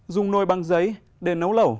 dùng nồi băng giấy để nấu lẩu